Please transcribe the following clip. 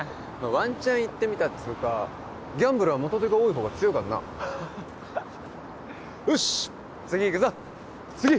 ワンチャン言ってみたっつうかギャンブルは元手が多いほうが強いからなよし次いくぞ次！